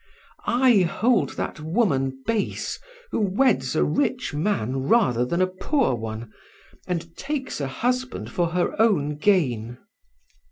I hold that woman base who weds a rich man rather than a poor one, and takes a husband for her own gain.